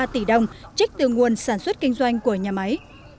ba tỷ đồng trích từ nguồn sản xuất kinh doanh của nhà máy